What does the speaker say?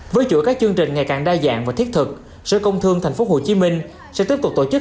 với chuỗi các chương trình ngày càng đa dạng và thiết thực sở công thương tp hcm sẽ tiếp tục tổ chức